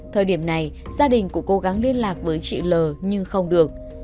thời điểm này gia đình của cố gắng liên lạc với chị l nhưng không được